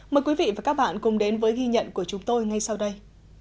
mời quý vị và các bạn cùng đến với ghi nhận của chúng tôi ngay sau đây